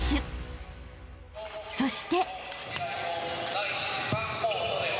［そして］